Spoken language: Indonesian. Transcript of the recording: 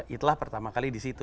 itulah pertama kali di situ